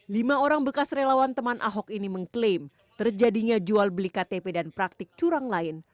lima orang bekas relawan teman ahok ini mengklaim terjadinya jual beli ktp dan praktik curang lain